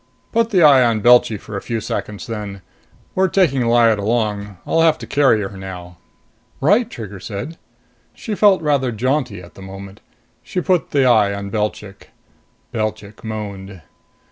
"Put the eye on Belchy for a few seconds then. We're taking Lyad along. I'll have to carry her now." "Right," Trigger said. She felt rather jaunty at the moment. She put the eye on Belchik. Belchik moaned.